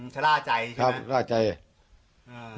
จะล่าใจใช่ไหมครับ